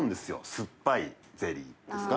酸っぱいゼリー」ですか？